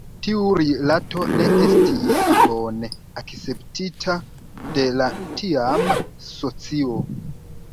Tiu rilato ne estis bone akceptita de la tiama socio.